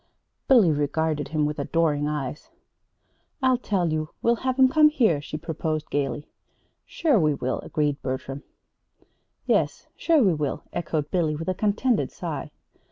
Billy regarded him with adoring eyes. "I'll tell you; we'll have 'em come here," she proposed gayly. "Sure we will," agreed Bertram. "Yes; sure we will," echoed Billy, with a contented sigh.